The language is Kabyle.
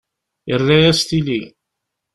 Irra-yas tili.